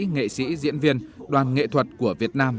nghệ sĩ diễn viên đoàn nghệ thuật của việt nam